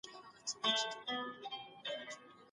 ابليس خپل تخت پر څه سي ايږدي؟